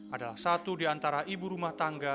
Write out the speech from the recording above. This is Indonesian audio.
adalah satu di antara ibu rumah tangga